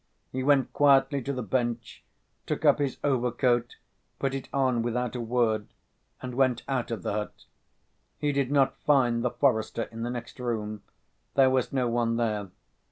He went quietly to the bench, took up his overcoat, put it on without a word, and went out of the hut. He did not find the forester in the next room; there was no one there.